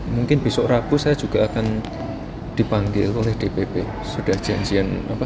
mungkin besok rabu saya juga akan dipanggil oleh dpp